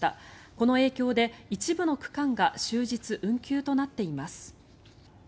この影響で一部の区間が終日運休となっています。